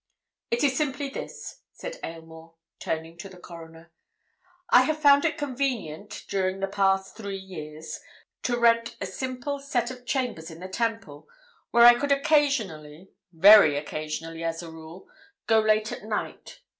"It is simply this," said Aylmore, turning to the Coroner. "I have found it convenient, during the past three years, to rent a simple set of chambers in the Temple, where I could occasionally—very occasionally, as a rule—go late at night.